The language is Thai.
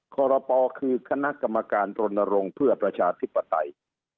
คอรปคือคณะกรรมการรณรงค์เพื่อประชาธิปไตย